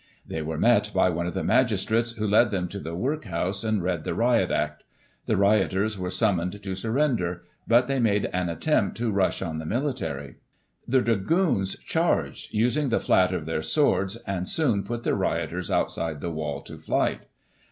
They were met by one of the Magistrates, who led them to the Work house and read the Riot Act. The rioters were summoned to surrender; but they made an attempt to rush on the military. The Dragoons charged, using the flat of their swords, and soon put the rioters, outside the wall, to flight.